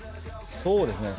そうですね。